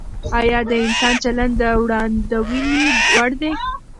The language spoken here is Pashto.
آیا د انسان چلند د وړاندوینې وړ دی؟